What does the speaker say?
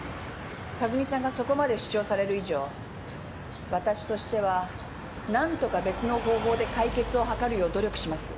和美さんがそこまで主張される以上わたしとしては何とか別の方法で解決を図るよう努力します。